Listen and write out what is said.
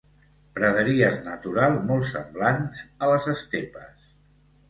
Praderies naturals molt semblants a les estepes.